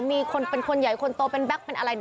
มีคนเป็นคนใหญ่คนโตเป็นแก๊กเป็นอะไร